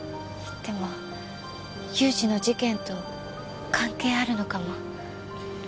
でも雄二の事件と関係あるのかも。